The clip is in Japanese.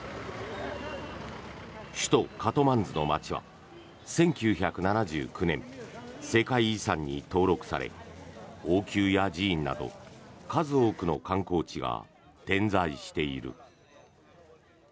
首都カトマンズの街は１９７９年世界遺産に登録され王宮や寺院など数多くの観光地が点在している。